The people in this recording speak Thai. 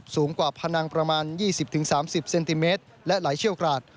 สูงกว่าพนังประมาณ๒๐๓๐เซนติเมตรและไหลเชี่ยวกราด